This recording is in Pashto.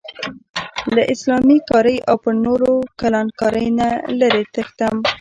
له اسلام کارۍ او پر نورو کلان کارۍ نه لرې تښتم.